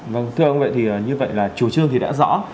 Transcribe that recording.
vâng thưa ông vậy thì như vậy là chủ trương thì đã rõ